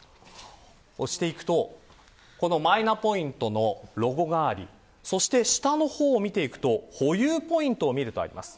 押していくとこのマイナポイントのロゴがありそして、下の方を見ていくと保有ポイントを見るとあります。